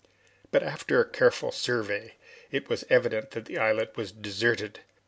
But after a careful survey, it was evident that the islet was deserted.